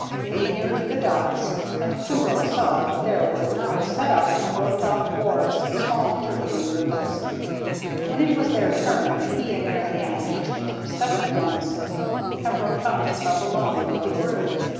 They neared the docks and Pembroke saw that there were now set up on the roped off wharves small interviewing booths. When it was their turn, he and Mary Ann each went into separate ones. Pembroke found himself alone in the little room.